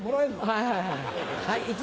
はい。